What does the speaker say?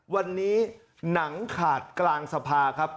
วันนี้หนังขาดกลางสภาครับ